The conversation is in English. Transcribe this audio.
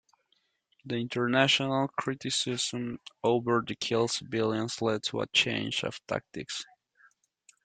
The international criticism over the killed civilians led to a change of tactics.